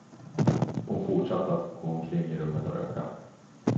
Hon fortsatte att gå omkring i rummet och röka.